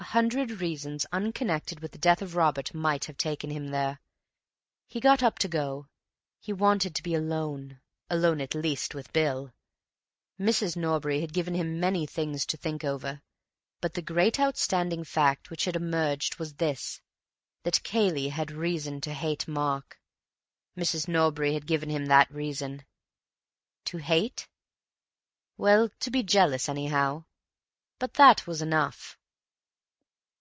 A hundred reasons unconnected with the death of Robert might have taken him there. He got up to go. He wanted to be alone—alone, at least, with Bill. Mrs. Norbury had given him many things to think over, but the great outstanding fact which had emerged was this: that Cayley had reason to hate Mark,—Mrs. Norbury had given him that reason. To hate? Well, to be jealous, anyhow. But that was enough.